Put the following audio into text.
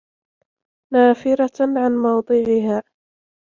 نَافِرَةً عَنْ مَوْضِعِهَا